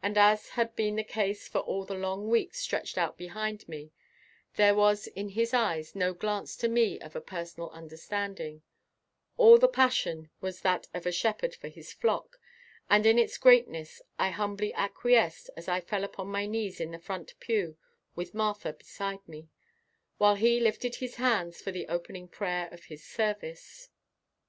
And as had been the case for all the long weeks stretched out behind me there was in his eyes no glance to me of a personal understanding; all the passion was that of a shepherd for his flock, and in its greatness I humbly acquiesced as I fell upon my knees in the front pew with Martha beside me, while he lifted his hands for the opening prayer of his service.